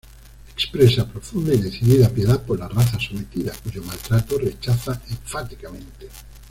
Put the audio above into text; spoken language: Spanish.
Expresa profunda y decidida piedad por la raza sometida, cuyo maltrato rechaza enfáticamente.